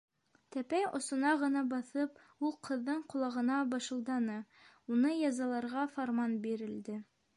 Тәпәй осона ғына баҫып ул ҡыҙҙың ҡолағына бышылданы: —Уны язаларға фарман бирелде.